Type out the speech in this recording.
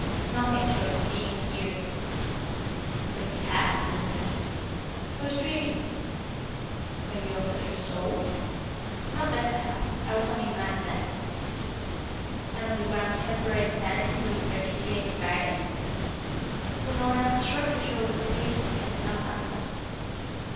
"Nothing short of seeing and hearing." "But you have seen and heard." "I was dreaming." "When you offered your soul?" "Not then, perhaps. I was only mad then." "And on the ground of temporary insanity you would repudiate the bargain?" Unorna shrugged her shoulders impatiently and did not answer.